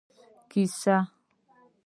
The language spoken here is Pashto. کیسۍ